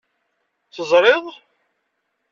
Teẓriḍ?